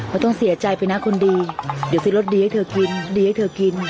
ต้องเสียใจไปนะคนดีเดี๋ยวซื้อรสดีให้เธอกินดีให้เธอกิน